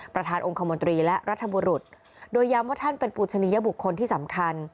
ประธานองค์คมนตรีและรัฐบุรุษโดยย้ำว่าท่านเป็นปูชนียบุคคลที่สำคัญ